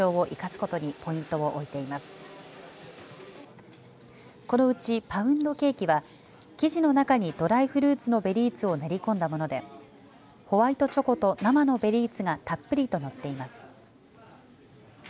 このうち、パウンドケーキは生地の中にドライフルーツのベリーツを練り込んだものでホワイトチョコと生のベリーツがたっぷりとのっています。